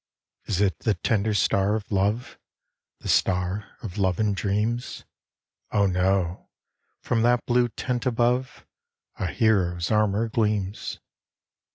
Is it the tender star of love? The star of love and dreams? Oh, no! from that blue tent above, A hero's armour gleams.